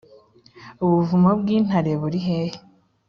Ubuvumo bw’intare buri hehe